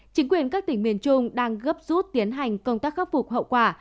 chính quyền các tỉnh miền trung đang gấp rút tiến hành công tác khắc phục hậu quả